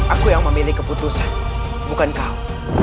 aku yang memilih keputusan bukan kau